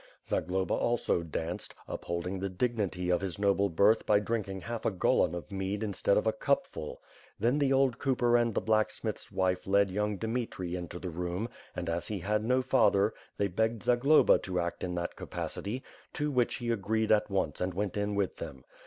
Zagloba also danced, upholding the dignity of his noble birth by drinking half a gollon of mead instead of a cupful. Then the old cooper and the blacksmith's wife led young Dymitri into the room and as he had no father they begged Zagloba to act in that capacity, to which he agreed at once and went in with them.